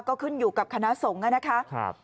ก็ขึ้นอยู่กับคณะสงฆ์นะครับ